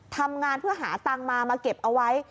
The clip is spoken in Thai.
ทำงานเพื่อหาตังค์มามาเก็บเอาไว้